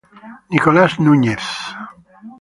Nicolás Núñez